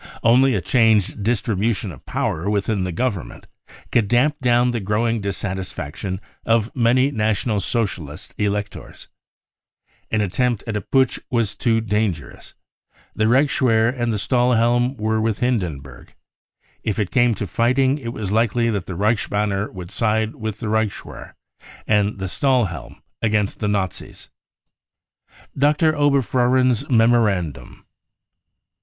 Only a changed distribution of power within the Government could damp down the growing dissatisfaction of many National Socialist electors* An attempt at a putsch was too dangerous. The Reichswehr and the Stahlhelm were with Hindenburg* If it came to fighting it was likely that the Reichsbanner would side with the Reichswehr and the Stahlhelm against the Nazis. •■*% Dr. Oberfohren's Memorandum.